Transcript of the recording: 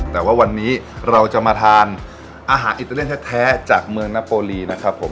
แต่ว่าวันนี้เราจะมาทานอาหารอิตาเลียนแท้จากเมืองนโปรลีนะครับผม